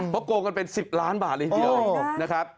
เพราะโกงกันเป็น๑๐ล้านบาทเลยทีเดียวนะครับ